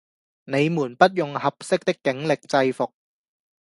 你們不用「合適」的警力制服